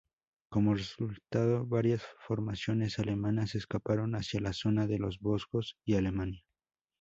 Como resultado varias formaciones alemanas escaparon hacia la zona de los Vosgos y Alemania.